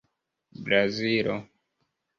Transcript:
brazilo